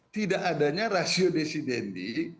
tidak adanya rasio desidendi